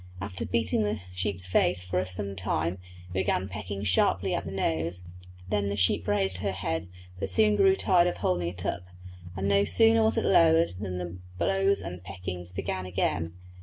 After beating the sheep's face for some time it began pecking sharply at the nose; then the sheep raised her head, but soon grew tired of holding it up, and no sooner was it lowered than the blows and peckings began again.